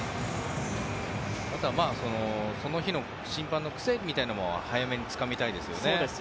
その日の審判の癖みたいなのも早めにつかみたいですね。